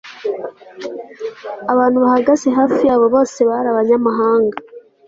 Abantu bahagaze hafi yabo bose bari abanyamahanga